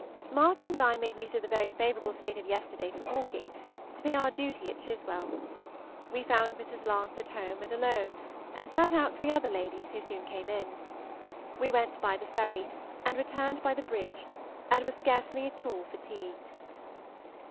Martha and I made use of the very favorable state of yesterday for walking, to pay our duty at Chiswell. We found Mrs. Lance at home and alone, and sat out three other ladies who soon came in. We went by the ferry, and returned by the bridge, and were scarcely at all fatigued.